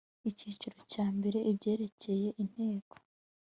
icyiciro cya mbere ibyerekeye inteko